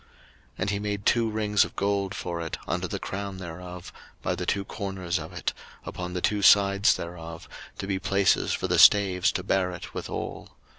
02:037:027 And he made two rings of gold for it under the crown thereof, by the two corners of it, upon the two sides thereof, to be places for the staves to bear it withal.